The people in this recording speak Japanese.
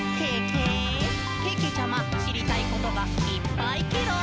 けけちゃま、しりたいことがいっぱいケロ！」